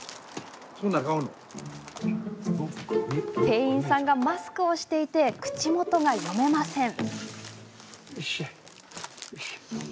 店員さんがマスクをしていて口元が読めません。